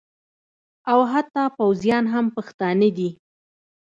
او حتی پوځیان هم پښتانه دي